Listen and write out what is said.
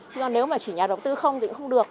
chứ còn nếu mà chỉ nhà đầu tư không thì cũng không được